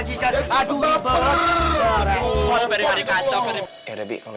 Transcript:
gua yang kena